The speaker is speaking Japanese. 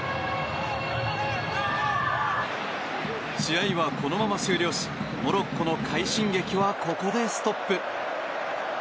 試合は、このまま終了しモロッコの快進撃はここでストップ。